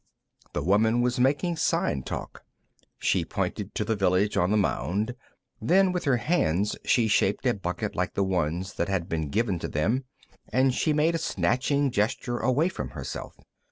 The woman was making sign talk. She pointed to the village on the mound. Then, with her hands, she shaped a bucket like the ones that had been given to them, and made a snatching gesture away from herself.